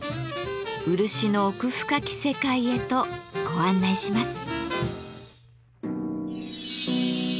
漆の奥深き世界へとご案内します。